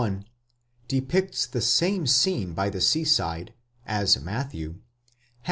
1) depicts the same scene by the sea side, as Ma thew, has.